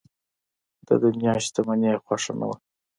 د دنیا شتمني یې خوښه نه وه.